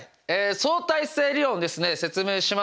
相対性理論ですね説明します。